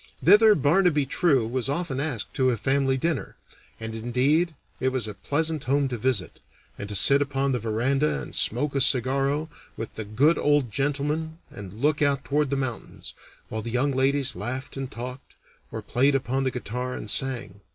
Thither Barnaby True was often asked to a family dinner; and, indeed, it was a pleasant home to visit, and to sit upon the veranda and smoke a cigarro with the good old gentleman and look out toward the mountains, while the young ladies laughed and talked, or played upon the guitar and sang.